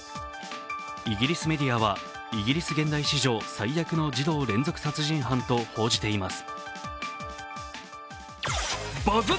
イギリスメディアはイギリス現代史上最悪の児童連続殺人犯と報じています。